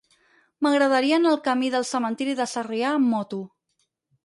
M'agradaria anar al camí del Cementiri de Sarrià amb moto.